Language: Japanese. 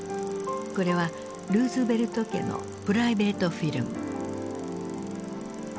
これはルーズベルト家のプライベートフィルム。